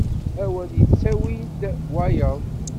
Awal ittawi-d wayeḍ.